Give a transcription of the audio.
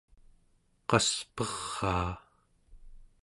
qasperaa